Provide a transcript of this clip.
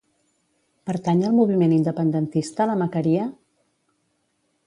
Pertany al moviment independentista la Macaria?